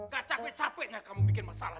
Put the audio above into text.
gak capek capeknya kamu bikin masalah